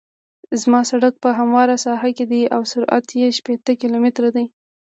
زما سرک په همواره ساحه کې دی او سرعت یې شپیته کیلومتره دی